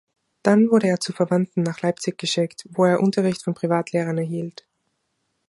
Dann wurde er zu Verwandten nach Leipzig geschickt, wo er Unterricht von Privatlehrern erhielt.